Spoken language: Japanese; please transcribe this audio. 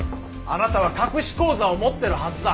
あなたは隠し口座を持ってるはずだ。